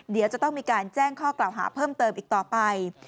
เดี๋ยวจะต้องมีการแจ้งข้อกล่าวหาเพิ่มเติมอีกต่อไป